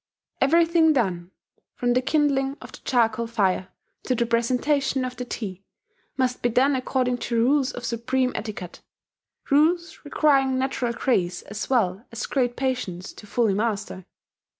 Everything done from the kindling of the charcoal fire to the presentation of the tea must be done according to rules of supreme etiquette: rules requiring natural grace as well as great patience to fully master.